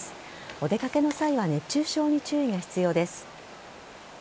お出かけの際は熱中症に注意が必要です。